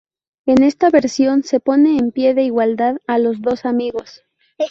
En esta versión se pone en pie de igualdad a los dos amigos.